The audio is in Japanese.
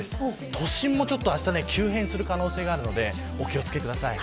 都心もあした急変する可能性があるのでお気を付けください。